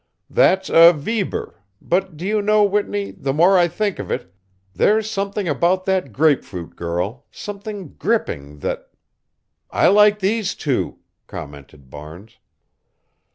"That's a Veber but do you know, Whitney, the more I think of it there's something about that grapefruit girl, something gripping that" "I like these two," commented Barnes.